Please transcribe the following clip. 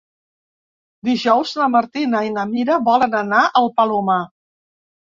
Dijous na Martina i na Mira volen anar al Palomar.